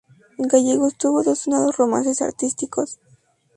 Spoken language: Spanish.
Gallegos tuvo dos sonados romances artísticos.